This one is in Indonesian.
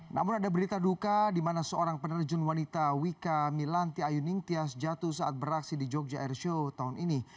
namun ada berita duka di mana seorang penerjun wanita wika milanti ayu ningtyas jatuh saat beraksi di jogja airshow tahun ini